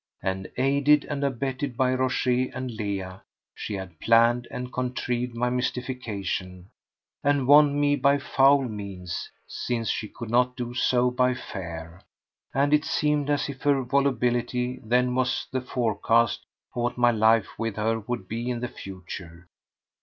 And, aided and abetted by Rochez and Leah, she had planned and contrived my mystification and won me by foul means, since she could not do so by fair; and it seemed as if her volubility then was the forecast of what my life with her would be in the future.